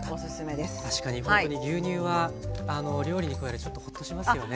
確かに本当に牛乳は料理に加えるとちょっとホッとしますよね。